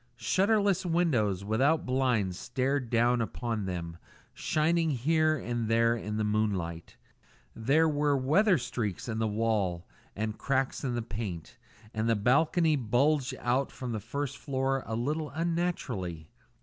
Shutterless windows, without blinds, stared down upon them, shining here and there in the moonlight. There were weather streaks in the wall and cracks in the paint, and the balcony bulged out from the first floor a little unnaturally.